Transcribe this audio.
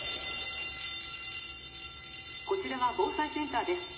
こちらは防災センターです。